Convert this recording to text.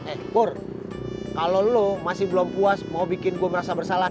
eh pure kalau lo masih belum puas mau bikin gue merasa bersalah